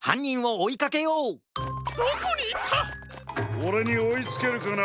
オレにおいつけるかな？